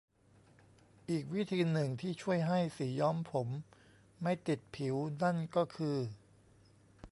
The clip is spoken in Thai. อีกวิธีหนึ่งที่ช่วยให้สีย้อมผมไม่ติดผิวนั่นก็คือ